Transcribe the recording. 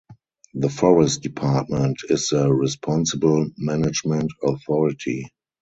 The Forest Department is the responsible management authority.